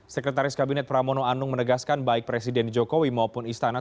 sekretaris kabinet pramono anung menegaskan baik presiden jokowi maupun istana